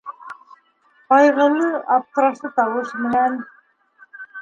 Ҡайғылы, аптырашлы тауыш менән: